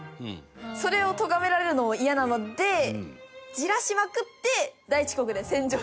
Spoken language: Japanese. それをとがめられるのも嫌なのでじらしまくって。